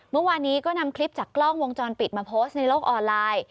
เมื่อวานนี้ก็นำคลิปจากกล้องวงจรปิดมาโพสต์ในโลกออนไลน์